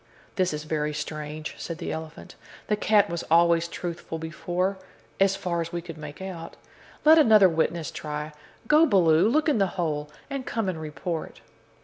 "This is very strange," said the elephant; "the cat was always truthful before as far as we could make out. Let another witness try. Go, Baloo, look in the hole, and come and report."